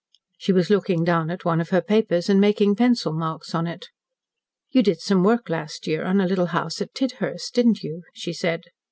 She was looking down at one of her papers and making pencil marks on it. "You did some work last year on a little house at Tidhurst, didn't you?" she said.